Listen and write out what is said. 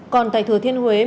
còn tại thừa thiên huế mưa lớn